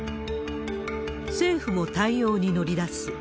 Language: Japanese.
政府も対応に乗り出す。